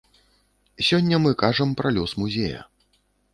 Сёння мы кажам пра лёс музея.